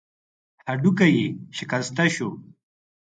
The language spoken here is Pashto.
هډوکی يې شکسته شو.